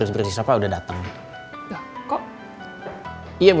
ini bukan itulah gimana